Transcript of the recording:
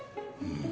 うん。